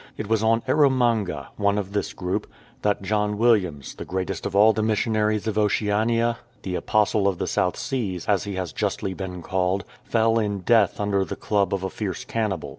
It was on Erromanga, one of this group, that John Williams, the greatest of all the missionaries of Oceania, the " Apostle of the South Seas,*" as he has justly been called, fell in death under the club of a fierce cannibal.